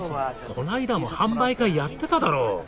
こないだも販売会やってただろ？